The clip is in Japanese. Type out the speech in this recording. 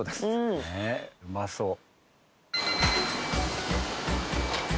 うまそう。